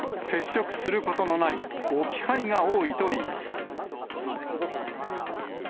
接触することのない置き配が多いといいます。